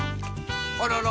あらら。